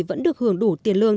vẫn được hưởng đủ tiền lương